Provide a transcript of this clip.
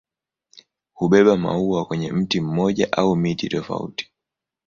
Hubeba maua kwenye mti mmoja au miti tofauti.